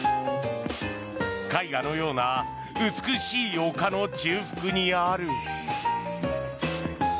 絵画のような美しい丘の中腹にある。